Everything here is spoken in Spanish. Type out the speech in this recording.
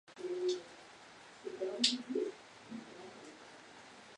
El primer ministro es elegido por el presidente y refrendado por el parlamento.